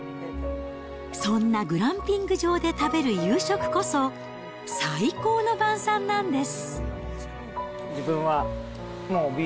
そんなグランピング場で食べる夕食こそ、最高の晩さんなんです。